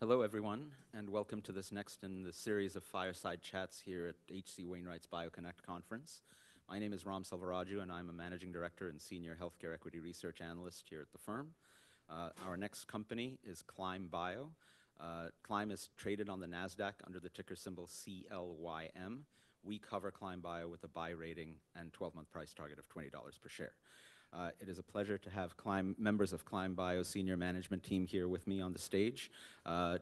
Hello, everyone, and welcome to this next in the series of fireside chats here at H.C. Wainwright's BioConnect Conference. My name is Ram Selvaraju, and I'm a managing director and senior healthcare equity research analyst here at the firm. Our next company is Climb Bio. Climb is traded on the NASDAQ under the ticker symbol CLYM. We cover Climb Bio with a buy rating and 12-month price target of $20 per share. It is a pleasure to have members of Climb Bio senior management team here with me on the stage.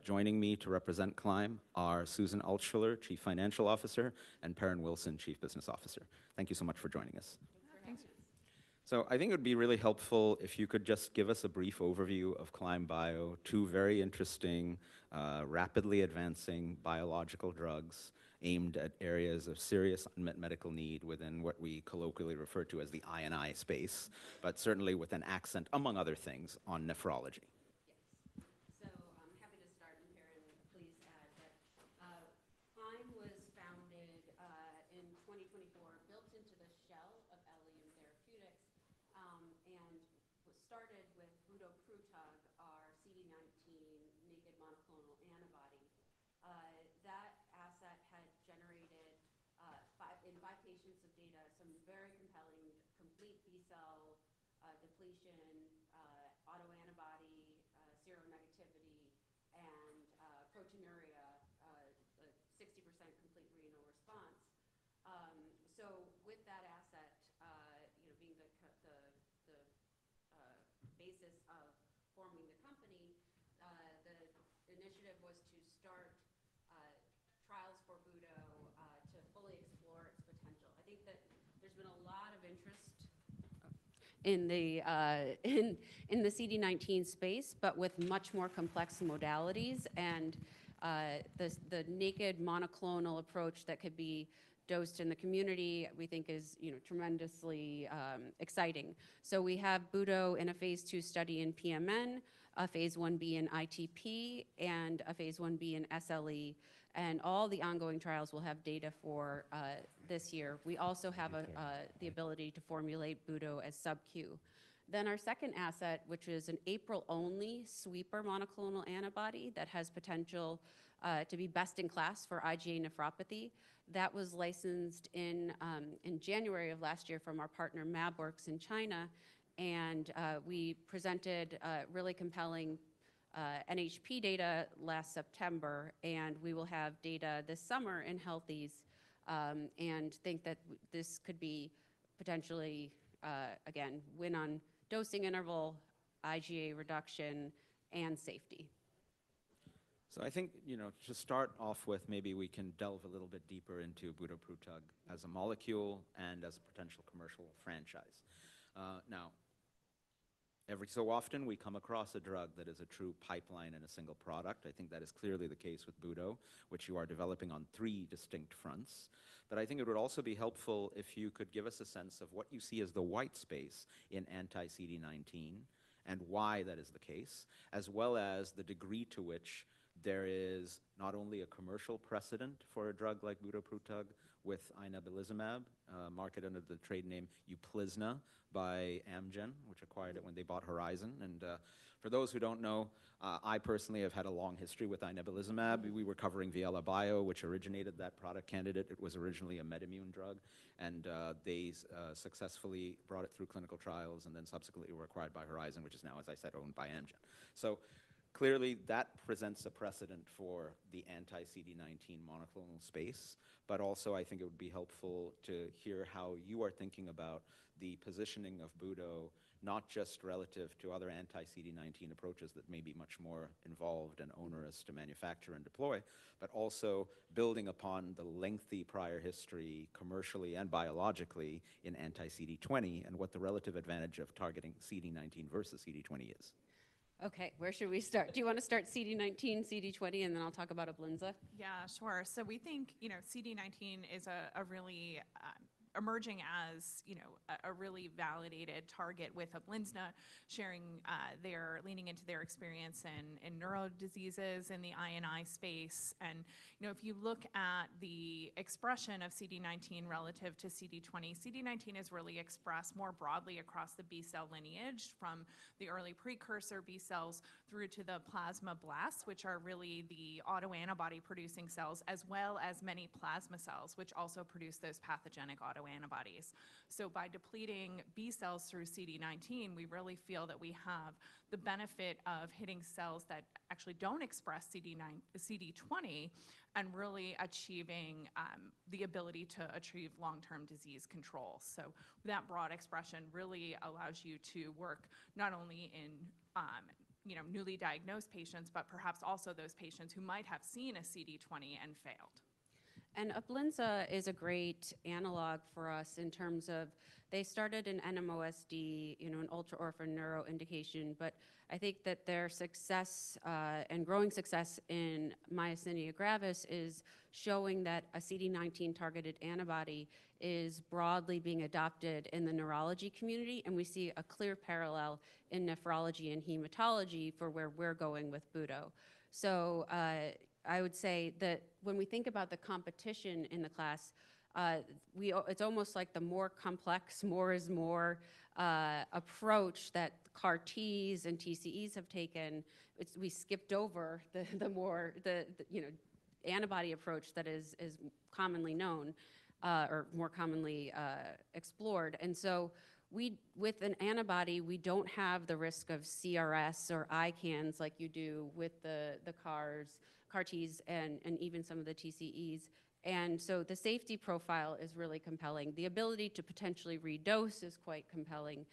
Joining me to represent Climb are Susan Altschuller, Chief Financial Officer, and Perrin Wilson, Chief Business Officer. Thank you so much for joining us. Thank you for having us. I think it would be really helpful if you could just give us a brief overview of Climb Bio, two very interesting, rapidly advancing biological drugs aimed at areas of serious unmet medical need within what we colloquially refer to as the I&I space, but certainly with an accent, among other things, on nephrology. Yes. I'm happy to start, and Perrin, please add. Climb was founded in 2024, built into the shell of Eliem Therapeutics, and was started with budoprutug, our CD19 naked monoclonal antibody. That asset had generated in five patients of data some very compelling complete B-cell depletion, autoantibody serum negativity, and proteinuria 60% complete renal response. With that asset, you know, being the basis of forming the company, the initiative was to start trials for budoprutug to fully explore its potential. I think that there's been a lot of interest in the in the CD19 space, but with much more complex modalities and the naked monoclonal approach that could be dosed in the community we think is, you know, tremendously exciting. We have Budo in a phase II study in PMN, a phase Ib in ITP, and a phase Ib in SLE, and all the ongoing trials will have data for this year. We also have the ability to formulate Budo as subQ. Our second asset, which is an APRIL-only sweeper monoclonal antibody that has potential to be best in class for IgA nephropathy, that was licensed in January of last year from our partner Mabworks in China, and we presented a really compelling NHP data last September, and we will have data this summer in healthies, and think that this could be potentially again, win on dosing interval, IgA reduction, and safety. I think, you know, to start off with, maybe we can delve a little bit deeper into budoprutug as a molecule and as a potential commercial franchise. Now, every so often we come across a drug that is a true pipeline and a single product. I think that is clearly the case with Budo, which you are developing on three distinct fronts. I think it would also be helpful if you could give us a sense of what you see as the white space in anti-CD19 and why that is the case, as well as the degree to which there is not only a commercial precedent for a drug like budoprutug with inebilizumab, marketed under the trade name UPLIZNA by Amgen, which acquired it when they bought Horizon. For those who don't know, I personally have had a long history with inebilizumab. We were covering Viela Bio, which originated that product candidate. It was originally a MedImmune drug, and they successfully brought it through clinical trials and then subsequently were acquired by Horizon, which is now, as I said, owned by Amgen. Clearly that presents a precedent for the anti-CD19 monoclonal space, but also I think it would be helpful to hear how you are thinking about the positioning of Budo, not just relative to other anti-CD19 approaches that may be much more involved and onerous to manufacture and deploy, but also building upon the lengthy prior history commercially and biologically in anti-CD20 and what the relative advantage of targeting CD19 versus CD20 is. Okay. Where should we start? Do you wanna start CD19, CD20, and then I'll talk about UPLIZNA? Yeah, sure. We think, you know, CD19 is a really emerging as, you know, a really validated target with UPLIZNA sharing, leaning into their experience in neuro diseases in the I&I space. You know, if you look at the expression of CD19 relative to CD20, CD19 is really expressed more broadly across the B-cell lineage from the early precursor B-cells through to the plasmablasts, which are really the autoantibody producing cells, as well as many plasma cells, which also produce those pathogenic autoantibodies. By depleting B-cells through CD19, we really feel that we have the benefit of hitting cells that actually don't express CD20 and really achieving the ability to achieve long-term disease control. That broad expression really allows you to work not only in, you know, newly diagnosed patients, but perhaps also those patients who might have seen a CD20 and failed. UPLIZNA is a great analog for us in terms of they started an NMOSD, you know, an ultra-orphan neuro indication. I think that their success and growing success in myasthenia gravis is showing that a CD19 targeted antibody is broadly being adopted in the neurology community, and we see a clear parallel in nephrology and hematology for where we're going with Budo. I would say that when we think about the competition in the class, it's almost like the more complex, more is more approach that CAR Ts and TCEs have taken. We skipped over the more the, you know, antibody approach that is commonly known or more commonly explored. With an antibody, we don't have the risk of CRS or ICANS like you do with the CARs, CAR Ts, and even some of the TCEs. The safety profile is really compelling. The ability to potentially redose is quite compelling.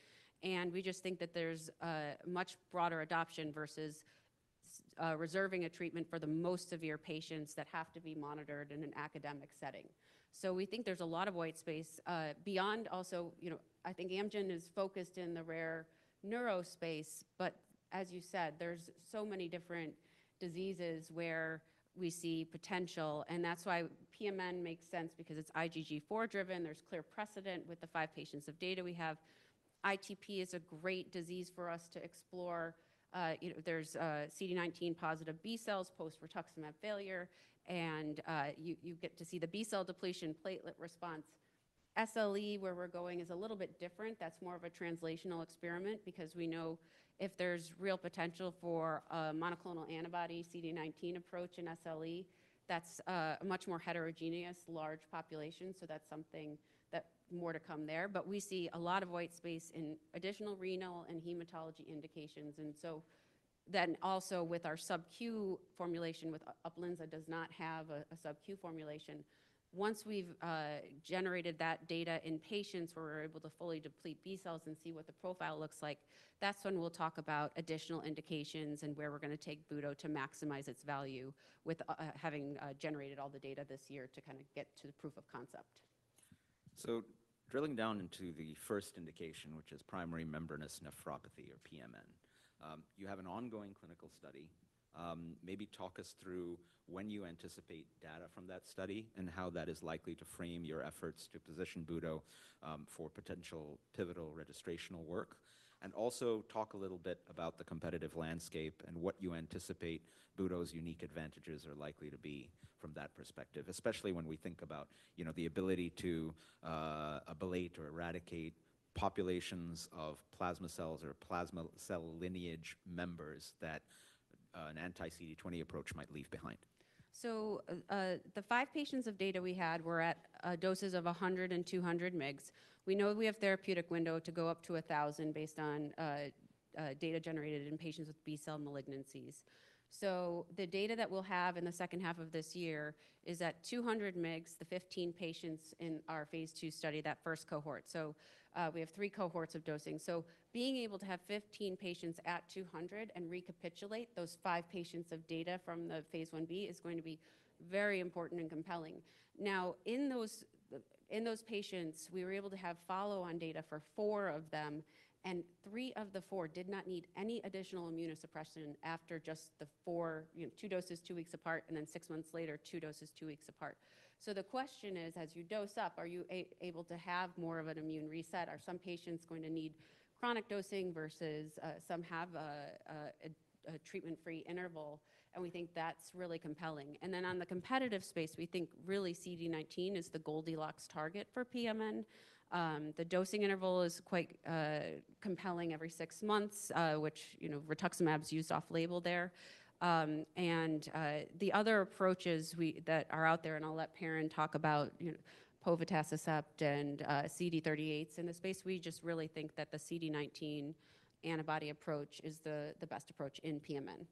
We just think that there's a much broader adoption versus reserving a treatment for the most severe patients that have to be monitored in an academic setting. We think there's a lot of white space beyond also, you know, I think Amgen is focused in the rare neuro space, but as you said, there's so many different diseases where we see potential, and that's why PMN makes sense because it's IgG4 driven. There's clear precedent with the five patients of data we have ITP is a great disease for us to explore. You know, there's CD19 positive B cells post rituximab failure, and you get to see the B-cell depletion platelet response. SLE, where we're going, is a little bit different. That's more of a translational experiment because we know if there's real potential for a monoclonal antibody CD19 approach in SLE, that's a much more heterogeneous large population, so that's something that more to come there. We see a lot of white space in additional renal and hematology indications, and so then also with our sub-Q formulation with UPLIZNA does not have a sub-Q formulation. Once we've generated that data in patients where we're able to fully deplete B cells and see what the profile looks like, that's when we'll talk about additional indications and where we're gonna take Budo to maximize its value with having generated all the data this year to kinda get to the proof of concept. Drilling down into the first indication, which is primary membranous nephropathy or PMN. You have an ongoing clinical study. Maybe talk us through when you anticipate data from that study and how that is likely to frame your efforts to position Budo for potential pivotal registrational work. Also talk a little bit about the competitive landscape and what you anticipate Budo's unique advantages are likely to be from that perspective, especially when we think about, you know, the ability to ablate or eradicate populations of plasma cells or plasma cell lineage members that an anti-CD20 approach might leave behind. The five patients of data we had were at doses of 100 and 200 mgs. We know we have therapeutic window to go up to 1,000 based on data generated in patients with B-cell malignancies. The data that we'll have in the second half of this year is at 200 mgs, the 15 patients in our phase II study, that first cohort. We have three cohorts of dosing. Being able to have 15 patients at 200 and recapitulate those five patients of data from the phase Ib is going to be very important and compelling. In those patients, we were able to have follow-on data for four of them, and three of the four did not need any additional immunosuppression after just the four, you know, two doses, two weeks apart, and then six months later, two doses, two weeks apart. The question is, as you dose up, are you able to have more of an immune reset? Are some patients going to need chronic dosing versus some have a treatment-free interval, and we think that's really compelling. On the competitive space, we think really CD19 is the Goldilocks target for PMN. The dosing interval is quite compelling every six months, which, you know, rituximab is used off-label there. The other approaches that are out there, and I'll let Perrin talk about, you know, povetacicept and CD38s in the space, we just really think that the CD19 antibody approach is the best approach in PMN.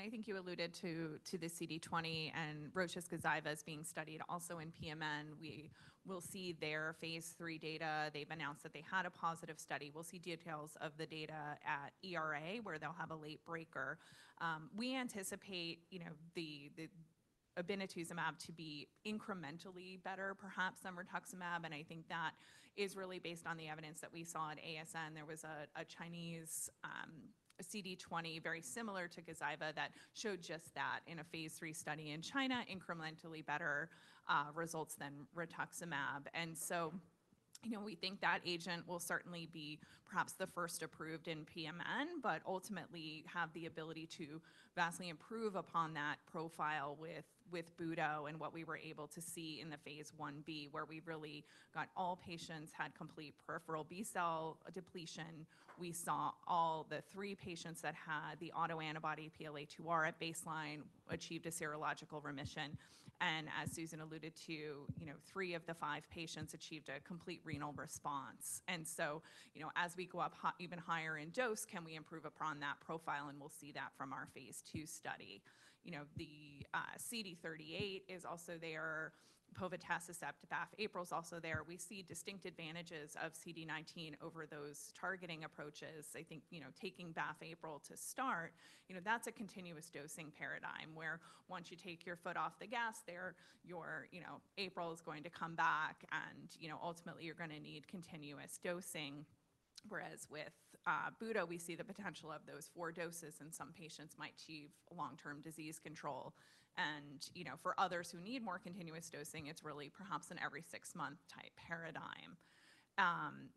I think you alluded to the CD20 and Roche's Gazyva is being studied also in PMN. We will see their phase III data. They've announced that they had a positive study. We'll see details of the data at ERA, where they'll have a late breaker. We anticipate, you know, the obinutuzumab to be incrementally better perhaps than rituximab, and I think that is really based on the evidence that we saw at ASN. There was a Chinese CD20 very similar to Gazyva that showed just that in a phase III study in China, incrementally better results than rituximab. You know, we think that agent will certainly be perhaps the first approved in PMN, but ultimately have the ability to vastly improve upon that profile with Budo and what we were able to see in the phase Ib, where we really got all patients, had complete peripheral B-cell depletion. We saw all the three patients that had the autoantibody PLA2R at baseline achieved a serological remission. As Susan alluded to, you know, three of the five patients achieved a complete renal response. You know, as we go up even higher in dose, can we improve upon that profile? We'll see that from our phase II study. You know, the CD38 is also there, povetacicept, BAFF, APRIL's also there. We see distinct advantages of CD19 over those targeting approaches. I think, you know, taking BAFF, APRIL to start, you know, that's a continuous dosing paradigm where once you take your foot off the gas there, your, you know, APRIL is going to come back and, you know, ultimately you're going to need continuous dosing. Whereas with Budo, we see the potential of those fou doses, and some patients might achieve long-term disease control. For others who need more continuous dosing, it's really perhaps an every six month type paradigm.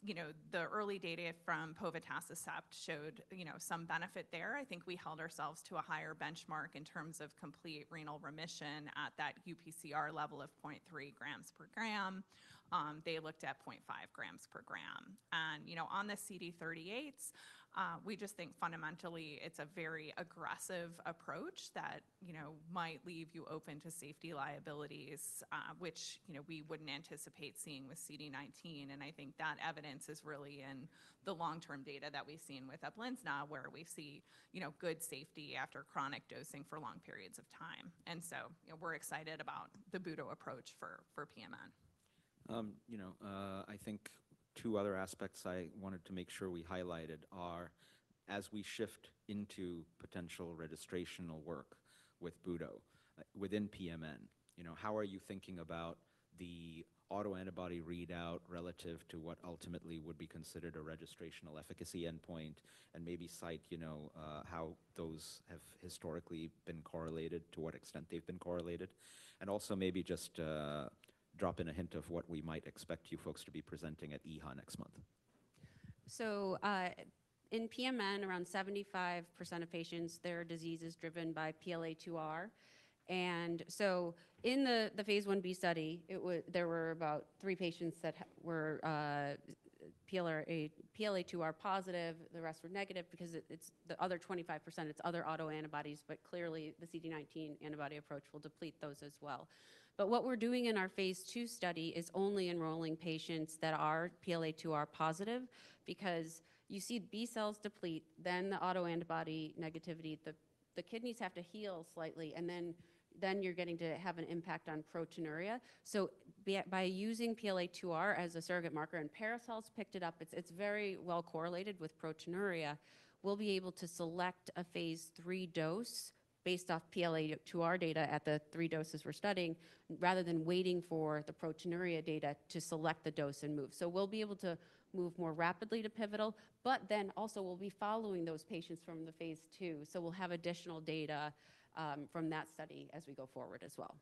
You know, the early data from povetacicept showed, you know, some benefit there. I think we held ourselves to a higher benchmark in terms of complete renal remission at that UPCR level of 0.3 grams per gram. They looked at 0.5 grams per gram. You know, on the CD38s, we just think fundamentally it's a very aggressive approach that, you know, might leave you open to safety liabilities, which, you know, we wouldn't anticipate seeing with CD19. I think that evidence is really in the long-term data that we've seen with UPLIZNA where we see, you know, good safety after chronic dosing for long periods of time. You know, we're excited about the Budo approach for PMN. You know, I think two other aspects I wanted to make sure we highlighted are as we shift into potential registrational work with Budo, within PMN, you know, how are you thinking about the autoantibody readout relative to what ultimately would be considered a registrational efficacy endpoint, and maybe cite, how those have historically been correlated, to what extent they've been correlated. Also maybe just drop in a hint of what we might expect you folks to be presenting at EHA next month. In PMN, around 75% of patients, their disease is driven by PLA2R. In the phase Ib study, there were about three patients that were PLA2R positive, the rest were negative because the other 25%, it's other autoantibodies, but clearly the CD19 antibody approach will deplete those as well. What we're doing in our phase II study is only enrolling patients that are PLA2R positive because you see B cells deplete, then the autoantibody negativity, the kidneys have to heal slightly, then you're getting to have an impact on proteinuria. By using PLA2R as a surrogate marker, and Parexel picked it up, it's very well correlated with proteinuria, we'll be able to select a phase III dose based off PLA2R data at the three doses we're studying, rather than waiting for the proteinuria data to select the dose and move. We'll be able to move more rapidly to pivotal, but then also we'll be following those patients from the phase II, so we'll have additional data from that study as we go forward as well.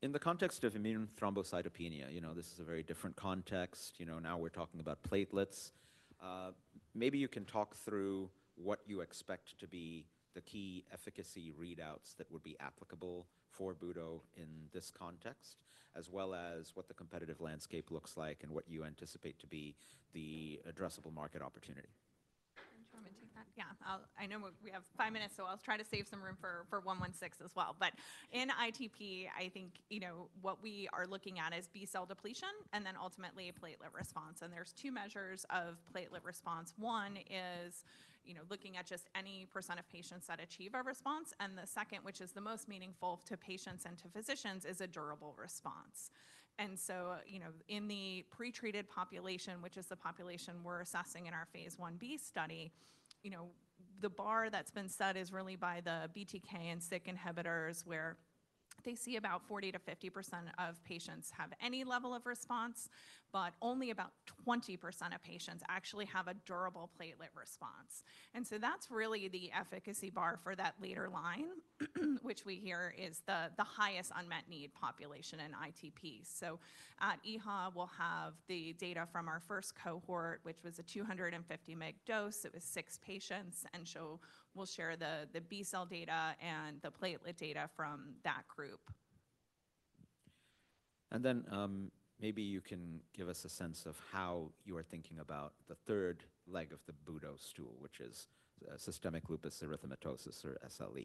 In the context of immune thrombocytopenia, you know, this is a very different context. You know, now we're talking about platelets. Maybe you can talk through what you expect to be the key efficacy readouts that would be applicable for Budo in this context, as well as what the competitive landscape looks like and what you anticipate to be the addressable market opportunity. Do you want me to take that? Yeah, I'll I know we have five minutes, so I'll try to save some room for 116 as well. In ITP, I think, you know, what we are looking at is B-cell depletion and then ultimately platelet response, and there's two measures of platelet response. One is, you know, looking at just any pecent of patients that achieve a response, and the second, which is the most meaningful to patients and to physicians, is a durable response. You know, in the pretreated population, which is the population we're assessing in our phase Ib study, you know, the bar that's been set is really by the BTK and SYK inhibitors, where they see about 40%-50% of patients have any level of response, but only about 20% of patients actually have a durable platelet response. That's really the efficacy bar for that later line, which we hear is the highest unmet need population in ITP. At EHA, we'll have the data from our first cohort, which was a 250 mg dose. It was six patients. We'll share the B cell data and the platelet data from that group. Maybe you can give us a sense of how you are thinking about the third leg of the Budo stool, which is systemic lupus erythematosus, or SLE,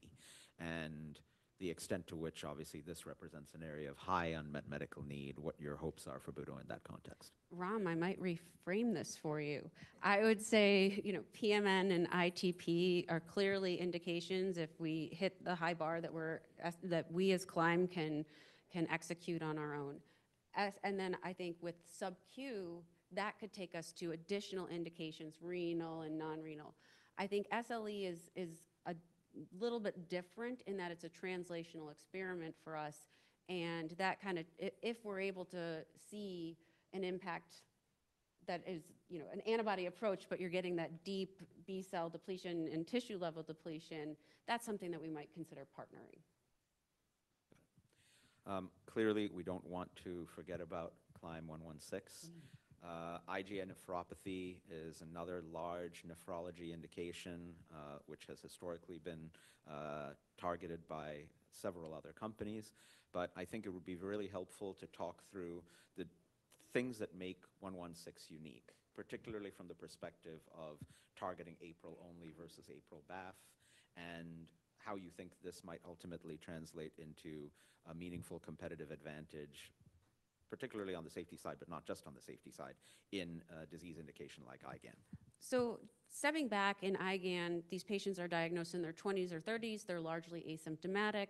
and the extent to which obviously this represents an area of high unmet medical need, what your hopes are for Budo in that context. Ram, I might reframe this for you. I would say, you know, PMN and ITP are clearly indications if we hit the high bar that we as Climb can execute on our own. Then I think with subQ, that could take us to additional indications, renal and non-renal. I think SLE is a little bit different in that it's a translational experiment for us, if we're able to see an impact that is, you know, an antibody approach, but you're getting that deep B cell depletion and tissue level depletion, that's something that we might consider partnering. Clearly we don't want to forget about CLYM116. IgA nephropathy is another large nephrology indication, which has historically been targeted by several other companies. I think it would be really helpful to talk through the things that make 116 unique, particularly from the perspective of targeting APRIL only versus APRIL-BAFF, and how you think this might ultimately translate into a meaningful competitive advantage. Particularly on the safety side, but not just on the safety side in a disease indication like IgAN. Stepping back in IgAN, these patients are diagnosed in their 20s or 30s. They're largely asymptomatic,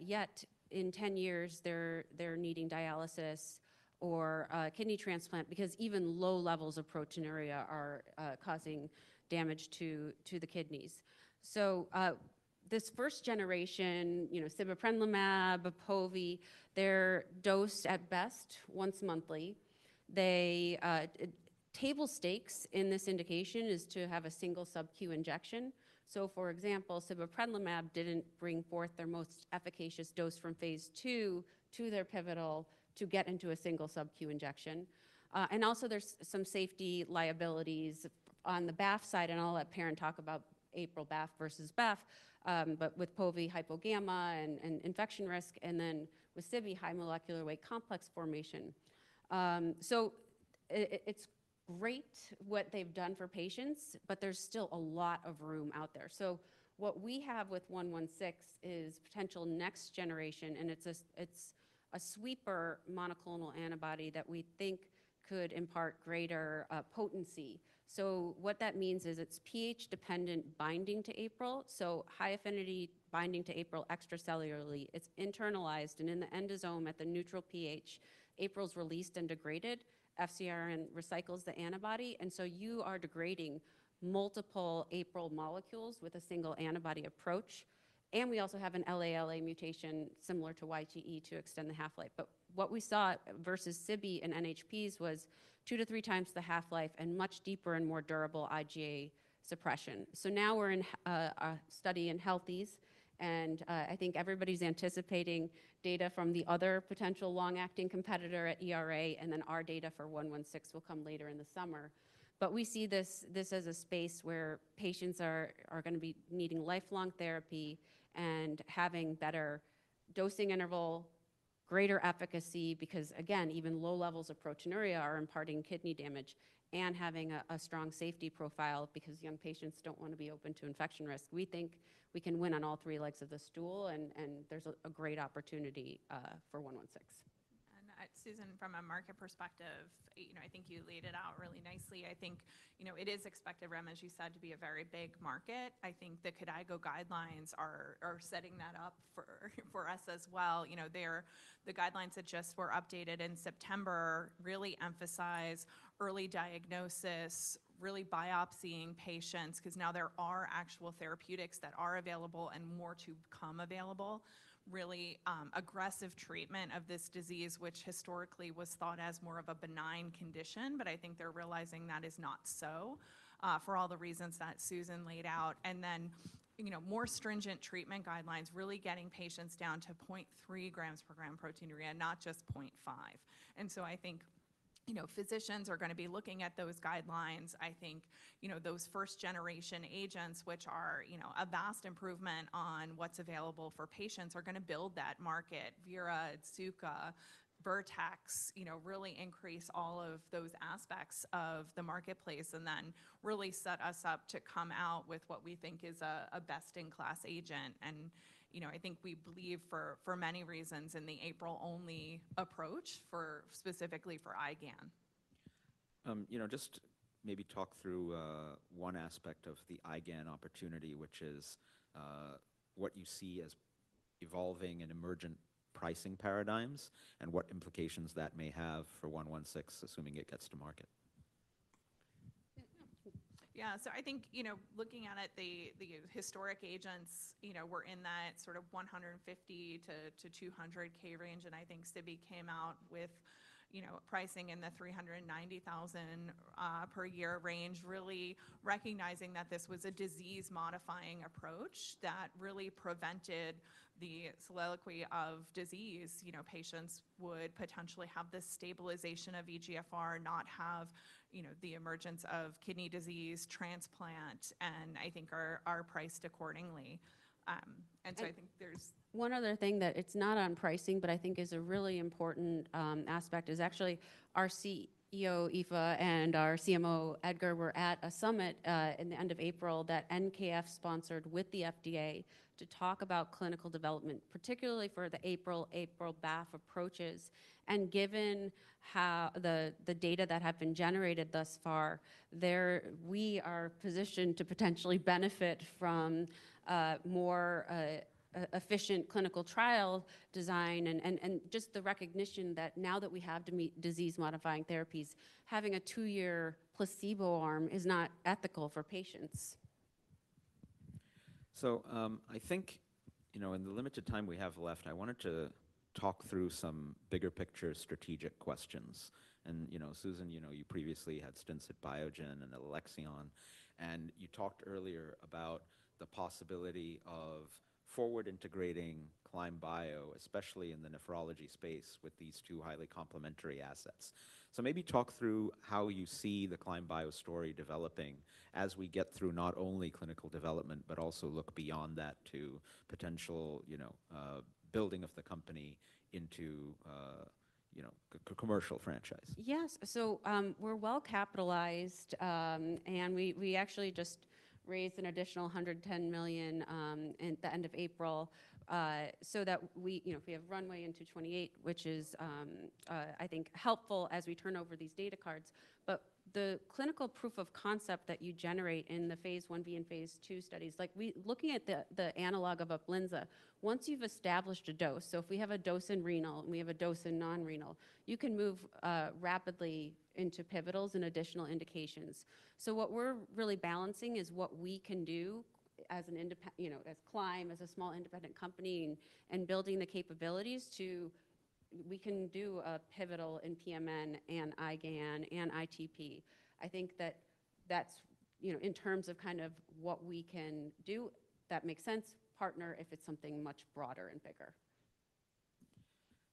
yet in 10 years, they're needing dialysis or a kidney transplant because even low levels of proteinuria are causing damage to the kidneys. This first generation, you know, sibeprenlimab, povetacicept, they're dosed at best once monthly. Table stakes in this indication is to have a single subQ injection. For example, sibeprenlimab didn't bring forth their most efficacious dose from phase II to their pivotal to get into a single subQ injection. There's some safety liabilities on the BAFF side, and I'll let Perrin talk about APRIL-BAFF versus BAFF. With povetacicept hypogamma and infection risk, and then with Sibe high molecular weight complex formation. It's great what they've done for patients, but there's still a lot of room out there. What we have with 116 is potential next generation, and it's a sweeper monoclonal antibody that we think could impart greater potency. What that means is it's pH dependent binding to APRIL. High affinity binding to APRIL extracellularly. It's internalized and in the endosome at the neutral pH, APRIL's released and degraded, FcRn recycles the antibody, you are degrading multiple APRIL molecules with a single antibody approach. We also have an LALA mutation similar to YTE to extend the half-life. What we saw versus sibeprenlimab in NHPs was 2-3 times the half-life and much deeper and more durable IgA suppression. Now we're in a study in healthies, and I think everybody's anticipating data from the other potential long-acting competitor at ERA, and then our data for 116 will come later in the summer. We see this as a space where patients are gonna be needing lifelong therapy and having better dosing interval, greater efficacy because again, even low levels of proteinuria are imparting kidney damage and having a strong safety profile because young patients don't wanna be open to infection risk. We think we can win on all three legs of the stool and there's a great opportunity for 116. Susan, from a market perspective, you know, I think you laid it out really nicely. I think, you know, it is expected, Ram, as you said, to be a very big market. I think the KDIGO guidelines are setting that up for us as well. You know, they're the guidelines that just were updated in September really emphasize early diagnosis, really biopsying patients ’cause now there are actual therapeutics that are available and more to come available. Really, aggressive treatment of this disease which historically was thought as more of a benign condition, but I think they're realizing that is not so for all the reasons that Susan laid out. You know, more stringent treatment guidelines really getting patients down to 0.3 grams per gram proteinuria, not just 0.5. I think, you know, physicians are gonna be looking at those guidelines. I think, you know, those first generation agents which are, you know, a vast improvement on what's available for patients are gonna build that market. Vera, Otsuka, Vertex, you know, really increase all of those aspects of the marketplace and then really set us up to come out with what we think is a best in class agent. I think we believe for many reasons in the APRIL only approach for specifically for IgAN. You know, just maybe talk through, one aspect of the IgAN opportunity which is, what you see as evolving and emergent pricing paradigms and what implications that may have for 116 assuming it gets to market. Yeah. I think, you know, looking at it, the historic agents, you know, were in that sort of $150 to $200K range and I think sibeprenlimab came out with, you know, pricing in the $390,000 per year range really recognizing that this was a disease modifying approach that really prevented the sequelae of disease. You know, patients would potentially have this stabilization of eGFR not have, you know, the emergence of kidney disease transplant and I think are priced accordingly. One other thing that it's not on pricing, but I think is a really important aspect is actually our CEO, Aoife, and our CMO, Edgar, were at a summit in the end of April that NKF sponsored with the FDA to talk about clinical development, particularly for the APRIL-BAFF approaches and given how the data that have been generated thus far, we are positioned to potentially benefit from more efficient clinical trial design and just the recognition that now that we have to meet disease modifying therapies, having a two year placebo arm is not ethical for patients. I think, you know, in the limited time we have left, I wanted to talk through some bigger picture strategic questions. You know, Susan, you know, you previously had stints at Biogen and Alexion, and you talked earlier about the possibility of forward integrating Climb Bio especially in the nephrology space with these two highly complementary assets. Maybe talk through how you see the Climb Bio story developing as we get through not only clinical development but also look beyond that to potential, you know, building of the company into commercial franchise. Yes. We're well-capitalized, and we actually just raised an additional $110 million in the end of April, that we, you know, if we have runway into 2028, which is, I think helpful as we turn over these data cards. The clinical proof of concept that you generate in the phase Ib and phase II studies, like looking at the analog of UPLIZNA, once you've established a dose, if we have a dose in renal and we have a dose in non-renal, you can move rapidly into pivotals and additional indications. What we're really balancing is what we can do as an independent, you know, as Climb, as a small independent company and building the capabilities to, we can do a pivotal in PMN and IgAN and ITP. I think that that's, you know, in terms of kind of what we can do, that makes sense. Partner, if it's something much broader and bigger.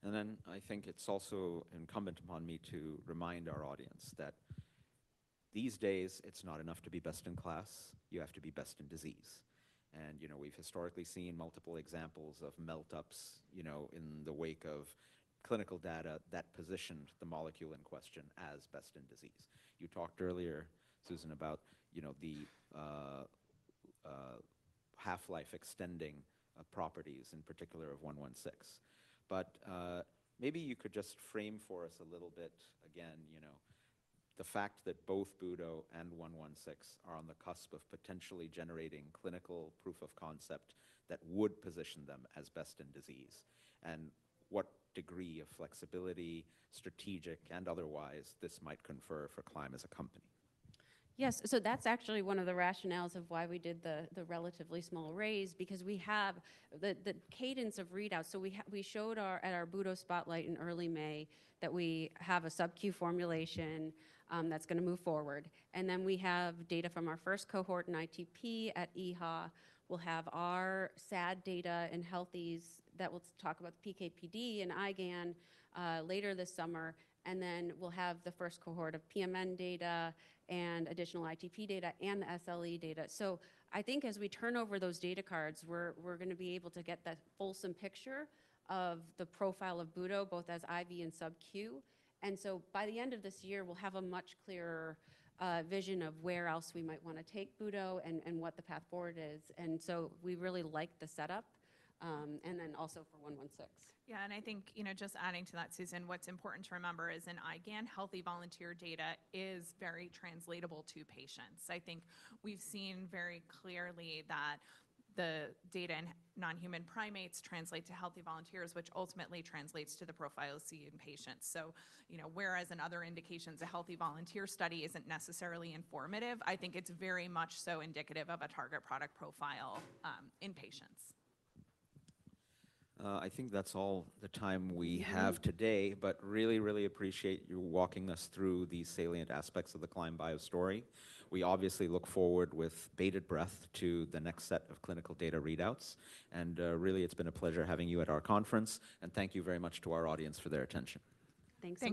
I think it's also incumbent upon me to remind our audience that these days it's not enough to be best in class, you have to be best in disease. You know, we've historically seen multiple examples of melt-ups, you know, in the wake of clinical data that positioned the molecule in question as best in disease. You talked earlier, Susan, about, you know, the half-life extending properties, in particular of 116. Maybe you could just frame for us a little bit again, you know, the fact that both Budo and 116 are on the cusp of potentially generating clinical proof of concept that would position them as best in disease. What degree of flexibility, strategic and otherwise, this might confer for Climb as a company. Yes. That's actually one of the rationales of why we did the relatively small raise because we have the cadence of readouts. We showed our, at our budoprutug spotlight in early May that we have a subcu formulation that's gonna move forward. We have data from our first cohort in ITP at EHA. We'll have our SAD data in healthy that we'll talk about the PK/PD in IgAN later this summer. We'll have the first cohort of PMN data and additional ITP data and SLE data. I think as we turn over those data cards, we're gonna be able to get the fulsome picture of the profile of budoprutug, both as IV and subcu. By the end of this year, we'll have a much clearer vision of where else we might want to take Budo and what the path forward is. We really like the setup. Also for 116. I think, you know, just adding to that, Susan, what's important to remember is in IgAN, healthy volunteer data is very translatable to patients. I think we've seen very clearly that the data in non-human primates translate to healthy volunteers, which ultimately translates to the profile seen in patients. You know, whereas in other indications, a healthy volunteer study isn't necessarily informative, I think it's very much so indicative of a target product profile in patients. I think that's all the time we have today. Really appreciate you walking us through the salient aspects of the Climb Bio story. We obviously look forward with bated breath to the next set of clinical data readouts. Really, it's been a pleasure having you at our conference. Thank you very much to our audience for their attention. Thanks. Thanks